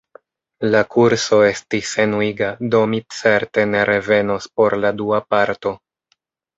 La kurso estis enuiga, do mi certe ne revenos por la dua parto.